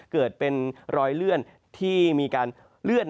เกิดเป็นรอยเลื่อนที่มีการเลื่อน